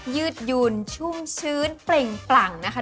ยืดยุนชุ่มชื้นเปล่งปลั่งนะคะ